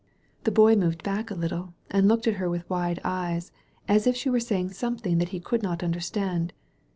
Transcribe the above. The Boy moved back a little and looked at her with wide eyes, as if she were saying something that he could not understand.